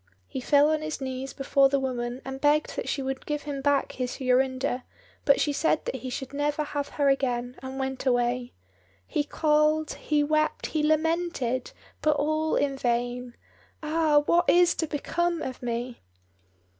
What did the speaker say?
He fell on his knees before the woman and begged that she would give him back his Jorinda, but she said that he should never have her again, and went away. He called, he wept, he lamented, but all in vain, "Ah, what is to become of me?"